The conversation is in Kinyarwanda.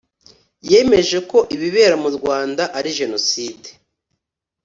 yemeje ko ibibera mu Rwanda ari Jenoside